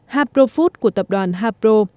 hapro food của tập đoàn hapro